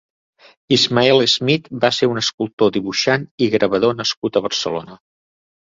Ismael Smith va ser un escultor, dibuixant i gravador nascut a Barcelona.